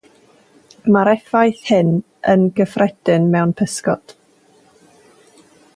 Mae'r effaith hin yn gyffredin mewn psygod.